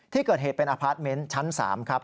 ที่เกิดเหตุเป็นอพาร์ทเมนต์ชั้น๓ครับ